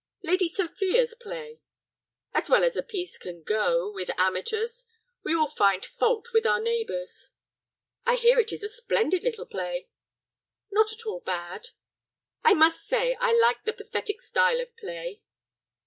"Lady Sophia's play." "As well as a piece can go—with amateurs. We all find fault with our neighbors." "I hear it is a splendid little play." "Not at all bad." "I must say I like the pathetic style of play."